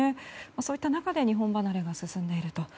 そういった中で日本離れが進んでいると。